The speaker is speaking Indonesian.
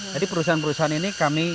jadi perusahaan perusahaan ini kami